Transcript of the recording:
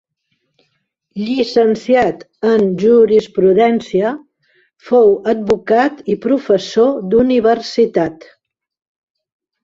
Llicenciat en jurisprudència, fou advocat i professor d'universitat.